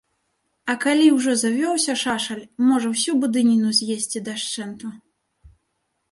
А калі ўжо завёўся шашаль, можа ўсю будыніну з'есці дашчэнту.